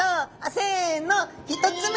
せの１つ目。